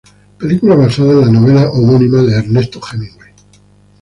Películas basada en la novela homónima de Ernest Hemingway.